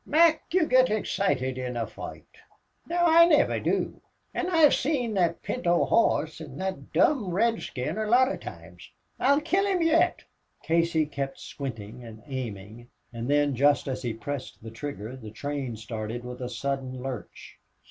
"Mac, you git excited in a foight. Now I niver do. An' I've seen thot pinto hoss an' thot dom' redskin a lot of times. I'll kill him yit." Casey kept squinting and aiming, and then, just as he pressed the trigger, the train started with a sudden lurch.